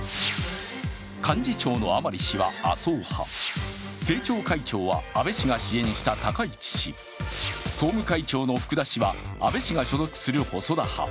幹事長の甘利氏は麻生派、政調会長は安倍氏が支援した高市氏、総務会長の福田氏は安倍氏が所属する細田派。